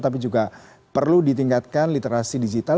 tapi juga perlu ditingkatkan literasi digital